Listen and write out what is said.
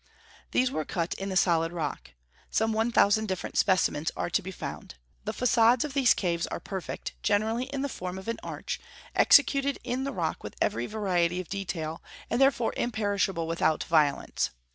These were cut in the solid rock. Some one thousand different specimens are to be found. The facades of these caves are perfect, generally in the form of an arch, executed in the rock with every variety of detail, and therefore imperishable without violence.